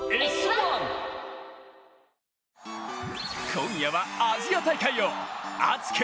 今夜はアジア大会を熱く！